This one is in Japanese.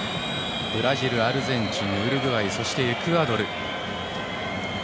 ブラジル、アルゼンチンウルグアイそしてエクアドル。